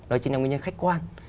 nó chính là nguyên nhân khách quan